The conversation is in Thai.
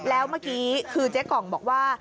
แล้วเมื่อกี้คือเจ๊กล่องบอกว่า